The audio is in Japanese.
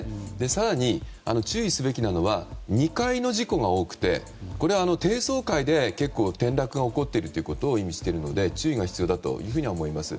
更に、注意すべきなのは２階の事故が多くてこれは低層階で結構転落が起こっているということを意味しているので注意が必要だと思います。